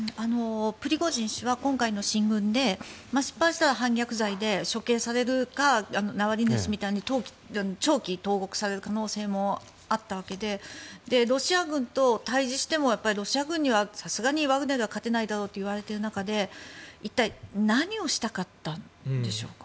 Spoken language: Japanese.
プリゴジン氏は今回の進軍で失敗したら反逆罪で処刑されるかナワリヌイ氏みたいに長期に投獄される可能性もあったわけでロシア軍と対峙してもロシア軍にはさすがにワグネルは勝てないだろうといわれている中で一体何をしたかったんでしょうか。